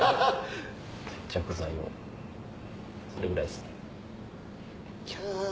接着剤をそれぐらいですね。